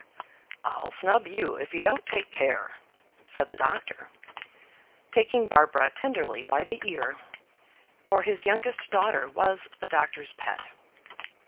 "I'll snub you, if you don't take care," said the doctor, taking Barbara tenderly by the ear; for his youngest daughter was the doctor's pet.